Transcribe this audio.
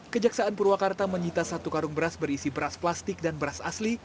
kejaksaan purwakarta menyita satu karung beras berisi beras plastik dan beras asli